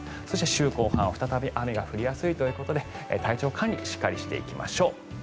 そして、週後半は再び雨が降りやすいということで体調管理しっかりしていきましょう。